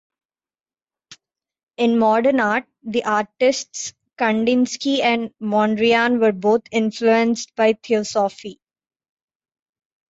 In Modern Art, the artists Kandinsky and Mondriaan were both influenced by theosophy.